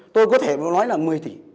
tôi có thể nói là một mươi tỷ